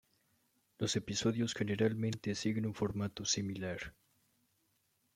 Los episodios generalmente siguen un formato similar.